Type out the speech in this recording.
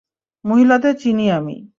মহিলাদের চিনি আমি।